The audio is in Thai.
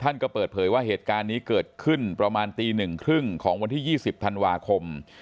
ท่านก็เปิดเผยว่าเหตุการณ์นี้เกิดขึ้นประมาณตี๑๓๐ของวันที่๒๐ธันวาคม